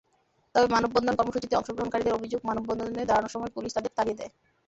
তবে মানববন্ধন কর্মসূচিতে অংশগ্রহণকারীদের অভিযোগ, মানববন্ধনে দাঁড়ানোর সময় পুলিশ তাঁদের তাড়িয়ে দেয়।